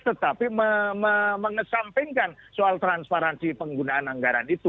tetapi mengesampingkan soal transparansi penggunaan anggaran itu